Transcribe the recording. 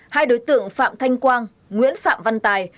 hai đối tượng phạm thanh quang nguyễn phạm văn tài